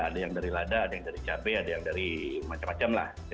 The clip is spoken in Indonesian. ada yang dari lada ada yang dari cabai ada yang dari macam macam lah